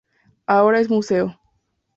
Ahora es museo.